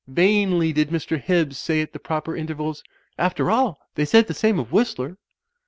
Vainly did Mr. Hibbs say at the proper intervals, "After all, they said the same of Whistler."